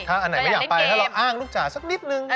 ถ้าอันไหนไม่อยากไปถ้าเราอ้างลูกจ่าสักนิดนึง